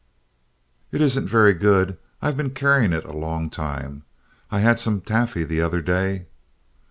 "It isn't very good. I've been carrying it a long time. I had some taffy the other day."